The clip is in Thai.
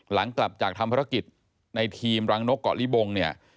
หลังกลับจากทำภารกิจในทีมรังนกเกาะลิบงเนี่ย